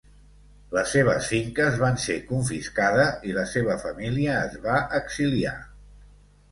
Les seves finques van ser confiscada i la seva família es va exiliar.